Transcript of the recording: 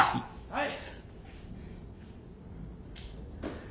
はい！